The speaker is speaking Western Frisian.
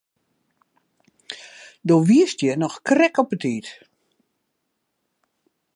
Do wiest hjir noch krekt op 'e tiid.